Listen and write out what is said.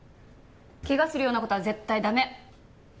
怪我するような事は絶対駄目！